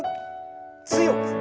強く。